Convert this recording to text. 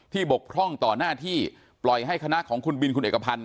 บกพร่องต่อหน้าที่ปล่อยให้คณะของคุณบินคุณเอกพันธ